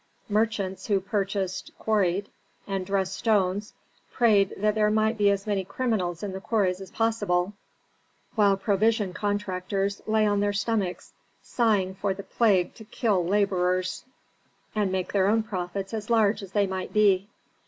Merchants who purchased quarried and dressed stones prayed that there might be as many criminals in the quarries as possible, while provision contractors lay on their stomachs, sighing for the plague to kill laborers, and make their own profits as large as they might be.